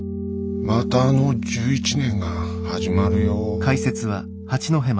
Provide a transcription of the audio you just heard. またあの１１年が始まるよ。